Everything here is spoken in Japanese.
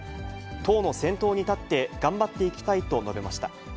党の先頭に立って頑張っていきたいと述べました。